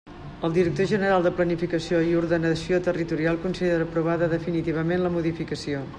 El director general de Planificació i Ordenació Territorial considera aprovada definitivament la modificació.